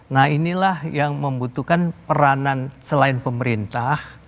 nah inilah yang membutuhkan peranan selain pemerintah